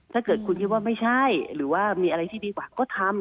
ถ้าเกิดคุณคิดว่าไม่ใช่หรือว่ามีอะไรที่ดีกว่าก็ทำ